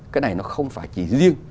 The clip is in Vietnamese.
cái này nó không phải chỉ riêng